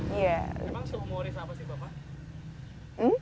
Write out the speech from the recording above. memang sehumoris apa sih bapak